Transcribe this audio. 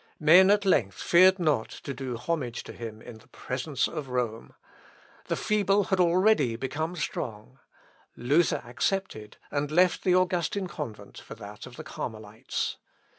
Men at length feared not to do homage to him in presence of Rome; the feeble had already become strong. Luther accepted, and left the Augustin convent for that of the Carmelites.